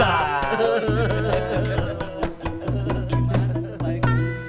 jangan diri cek diri takut cek